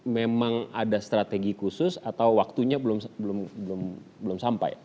memang ada strategi khusus atau waktunya belum sampai